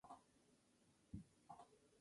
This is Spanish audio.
Sus actividades grupales quedaron en discusión.